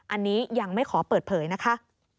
อันนี้ยังไม่ขอเปิดเผยนะคะ